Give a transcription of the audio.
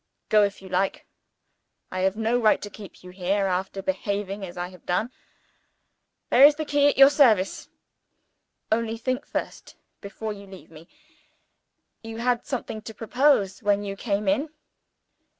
Go, if you like. I have no right to keep you here, after behaving as I have done. There is the key, at your service. Only think first, before you leave me. You had something to propose when you came in.